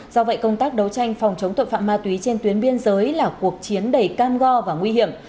do vậy công tác đấu tranh phòng chống tội phạm ma túy trên tuyến biên giới là cuộc chiến đầy cam go và nguy hiểm